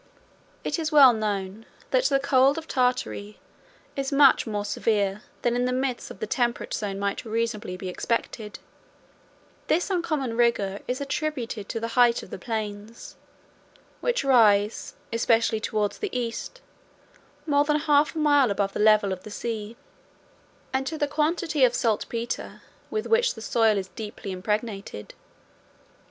It is well known that the cold of Tartary is much more severe than in the midst of the temperate zone might reasonably be expected; this uncommon rigor is attributed to the height of the plains, which rise, especially towards the East, more than half a mile above the level of the sea; and to the quantity of saltpetre with which the soil is deeply impregnated.